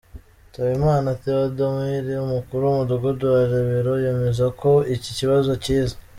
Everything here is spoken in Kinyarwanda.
Nsabimana Theodomir, umukuru w’umudugudu wa Rebero yemeza ko iki kibazo akizi,.